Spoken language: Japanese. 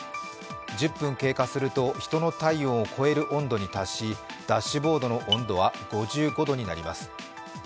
１０分経過すると人の体温を超える温度に達しダッシュボードの温度は５５度になります。